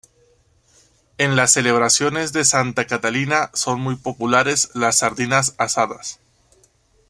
En las celebraciones de Santa Catalina son muy populares las sardinas asadas.